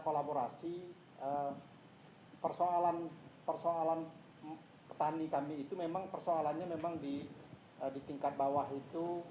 kalau menanya kolaborasi persoalan petani kami itu memang persoalannya memang di tingkat bawah itu